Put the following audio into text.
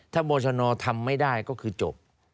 ถ้าบรชนทำไม่ได้ก็คือจบ